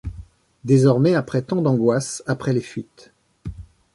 Désormais, après tant d'angoisse, après les fuites